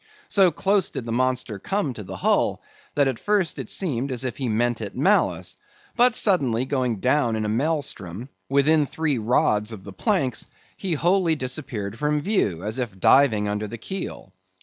So close did the monster come to the hull, that at first it seemed as if he meant it malice; but suddenly going down in a maelstrom, within three rods of the planks, he wholly disappeared from view, as if diving under the keel.